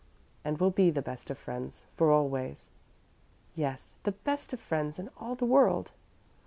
"And we'll be the best of friends, for always?" "Yes the best of friends in all the world."